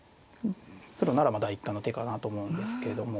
プロなら第一感の手かなと思うんですけども。